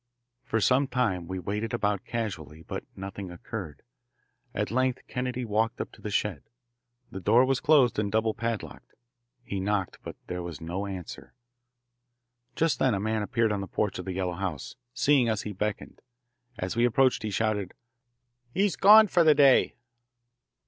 For some time we waited about casually, but nothing occurred. At length Kennedy walked up to the shed. The door was closed and double padlocked. He knocked, but there was no answer. Just then a man appeared on the porch of the yellow house. Seeing us, he beckoned. As we approached he shouted, "He's gone for the day!"